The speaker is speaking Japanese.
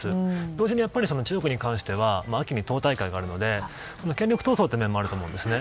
同時に中国に関しては秋に党大会があるので権力闘争という面もあると思うんですね。